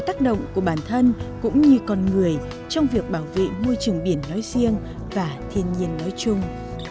tác động của bản thân cũng như con người trong việc bảo vệ môi trường biển nói riêng và thiên nhiên nói chung